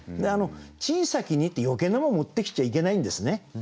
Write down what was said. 「小さき荷」って余計なもん持ってきちゃいけないんですね。